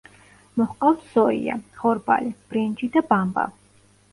მოჰყავთ სოია, ხორბალი, ბრინჯი და ბამბა.